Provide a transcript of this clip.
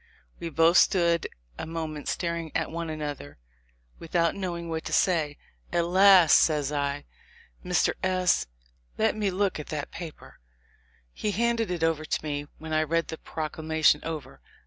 We both stood a moment staring at one another without knowing what to say. At last says I, "Mr. S —, let me look at that paper." He handed it to me, when I read the proclamation over.